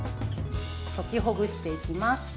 溶きほぐしていきます。